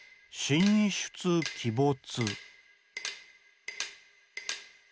「神出鬼没」。